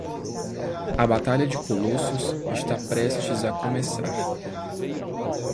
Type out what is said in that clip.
A batalha de colossos está prestes a começar!